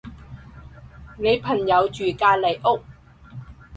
你朋友住隔離屋？